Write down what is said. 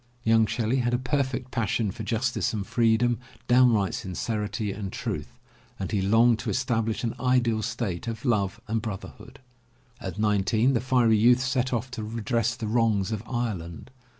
Young Shelley had a perfect passion for justice and freedom, down right sincerity and truth, and he longed to establish an ideal state of love and brotherhood. At nineteen the fiery youth set off to redress the wrongs of Ireland.